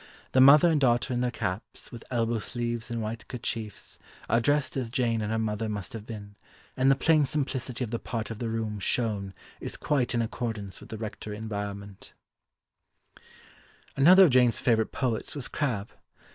The mother and daughter in their caps, with elbow sleeves and white kerchiefs, are dressed as Jane and her mother must have been, and the plain simplicity of the part of the room shown is quite in accordance with the rectory environment. [Illustration: DOMESTIC HAPPINESS] Another of Jane's favourite poets was Crabbe.